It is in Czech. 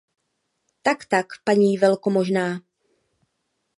Tak, tak, paní velkomožná!